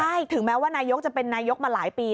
ใช่ถึงแม้ว่านายกจะเป็นนายกมาหลายปี